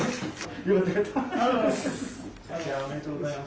ありがとうございます。